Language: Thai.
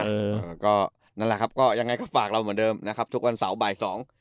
เออก็นั่นแหละครับก็ยังไงก็ฝากเราเหมือนเดิมนะครับทุกวันเสาร์บ่ายสอง